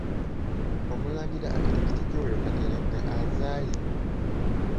Omulangira Architect Joel Kateregga azaaye.